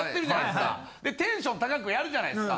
でテンション高くやるじゃないですか。